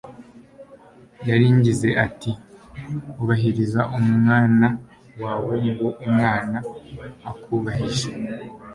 yaringinze ati ubahiriza umwana wawe, ngo umwana akubahishe